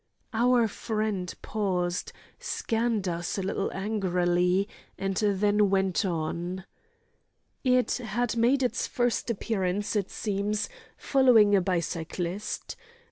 Our friend paused, scanned us a little angrily, and then went on: "It had made its first appearance, it seems, following a bicyclist.